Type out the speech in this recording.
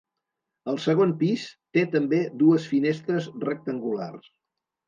El segon pis té també dues finestres rectangulars.